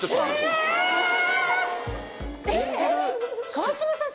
川島さん